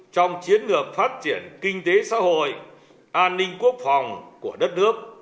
trong chiến lược phát triển kinh tế xã hội an ninh quốc phòng của đất nước